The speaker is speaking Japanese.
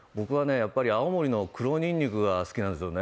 やっぱり青森の黒にんにくが好きなんだよね。